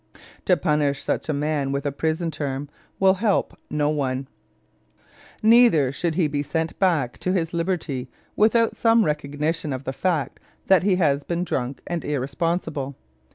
To punish such a man with a prison term will help no one. Neither should he be sent back to his liberty without some recognition of the fact that he has been drunk and irresponsible.